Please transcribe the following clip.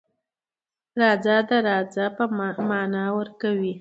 رڅه .د راځه معنی ورکوی